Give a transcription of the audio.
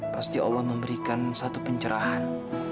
pasti allah memberikan satu pencerahan